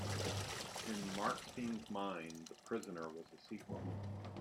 In Markstein's mind, "The Prisoner" was a sequel.